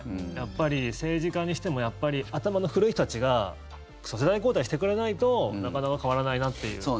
やっぱり、政治家にしても頭の古い人たちが世代交代してくれないとなかなか変わらないなっていう。